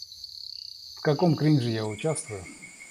В каком кринже я участвую...